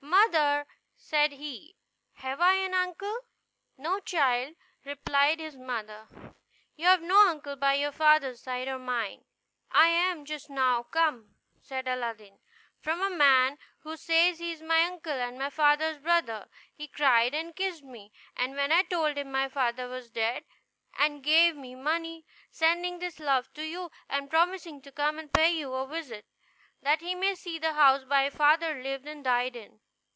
"Mother," said he, "have I an uncle?" "No, child," replied his mother, "you have no uncle by your father's side or mine." "I am just now come," said Aladdin, "from a man who says he is my uncle and my father's brother. He cried and kissed me when I told him my father was dead, and gave me money, sending his love to you, and promising to come and pay you a visit, that he may see the house my father lived and died in."